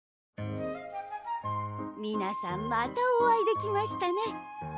皆さんまたお会いできましたね